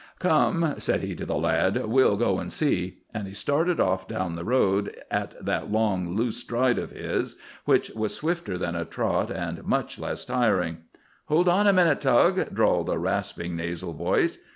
"Come," said he to the lad, "we'll go an' see." And he started off down the road at that long loose stride of his, which was swifter than a trot and much less tiring. "Hold on a minute, Tug," drawled a rasping nasal voice.